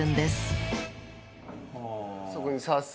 そこに刺す。